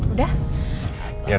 kenapa temamin disini